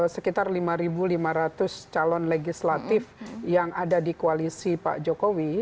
sekitar lima lima ratus calon legislatif yang ada di koalisi pak jokowi